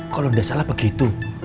kalo gak salah begitu